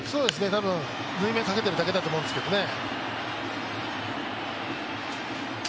多分、縫い目かけてるだけだと思いますけどね。